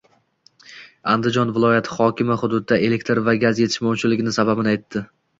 Andijon viloyati hokimi hududda elektr va gaz yetishmovchiligining sababini aytdi